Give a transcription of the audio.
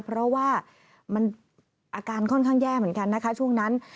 เพราะว่ามันอาการค่อนข้างแย่เหมือนกันนะคะช่วงนั้น